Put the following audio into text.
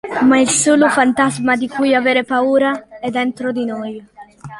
Ma il solo fantasma di cui avere paura è dentro di noi".